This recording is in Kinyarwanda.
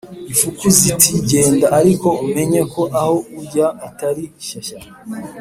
Ifuku ziti Genda ariko umenye ko aho ujya Atari shyashya